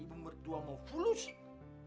ibu mertua mau fulusi